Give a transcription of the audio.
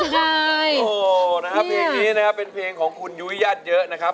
ใช่โอ้โหนะครับเพลงนี้นะครับเป็นเพลงของคุณยุ้ยญาติเยอะนะครับ